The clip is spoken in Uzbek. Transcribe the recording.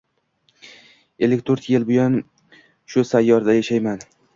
Ellik to‘rt yildan buyon shu sayyorada yashayman.